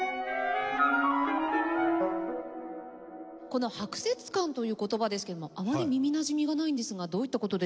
この拍節感という言葉ですけどもあまり耳なじみがないんですがどういった事でしょうか？